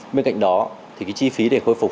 bên cạnh đó thì cái chi phí để khôi phục